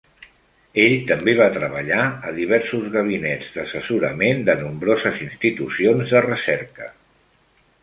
Ell també va treballar a diversos gabinets d'assessorament de nombroses institucions de recerca.